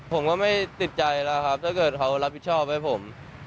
ผมก็ไม่ติดใจแล้วครับถ้าเกิดเขารับผิดชอบให้ผม